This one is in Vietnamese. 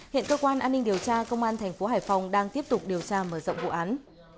hiện cơ quan an ninh điều tra công an thành phố hải phòng đang tiếp tục điều tra mở rộng vụ án